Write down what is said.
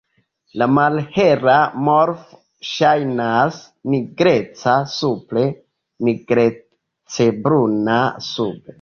La malhela morfo ŝajnas nigreca supre, nigrecbruna sube.